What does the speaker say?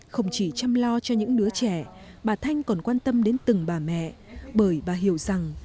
không chỉ chăm lo cho những đứa trẻ bà thanh còn quan tâm đến từng bà mẹ bởi bà hiểu rằng